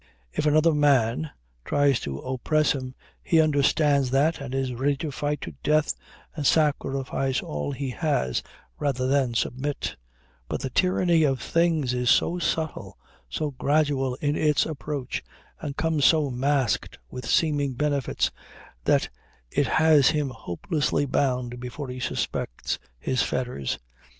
If another man tries to oppress him, he understands that and is ready to fight to death and sacrifice all he has, rather than submit; but the tyranny of things is so subtle, so gradual in its approach, and comes so masked with seeming benefits, that it has him hopelessly bound before he suspects his fetters.